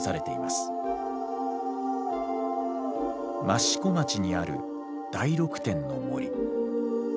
益子町にある大六天の森。